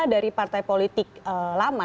dari partai politik lama